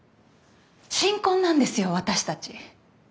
新婚なんですよ私たち。